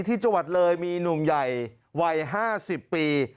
ที่จังหวัดเลยมีหนุ่มใหญ่วัย๕๐ปี